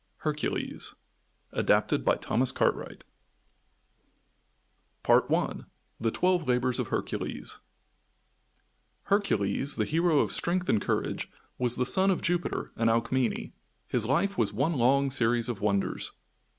HERCULES ADAPTED BY THOMAS CARTWRIGHT I THE TWELVE LABORS OF HERCULES Hercules, the hero of strength and courage, was the son of Jupiter and Alcmene. His life was one long series of wonders.